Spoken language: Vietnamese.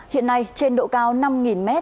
hiện nay trên độ cao năm nghìn m